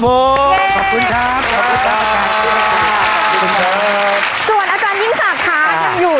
ส่วนอาจารย์ยิ่งสากค้ายังอยู่